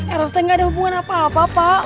eros kan gak ada hubungan apa apa pak